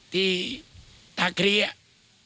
ที่ท่าเขียน